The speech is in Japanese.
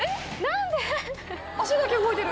脚だけ動いてる。